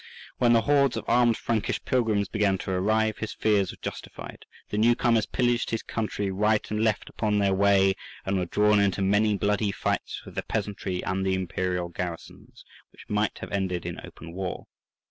When the hordes of armed Frankish pilgrims began to arrive, his fears were justified: the new comers pillaged his country right and left upon their way, and were drawn into many bloody fights with the peasantry and the imperial garrisons, which might have ended in open war.